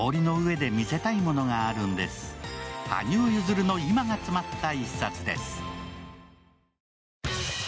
羽生結弦の今が詰まった一冊です。